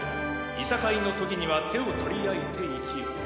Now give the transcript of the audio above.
いさかいのときには手を取り合いて生きよ。